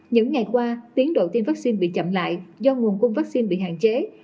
những ngày qua tiến độ tiêm vaccine bị chậm lại do nguồn cung vaccine bị hạn chế